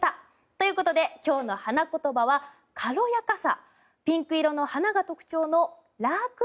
ということで今日の花言葉は軽やかさ。